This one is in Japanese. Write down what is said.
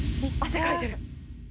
汗かいてる。